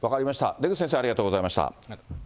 出口先生、ありがとうございました。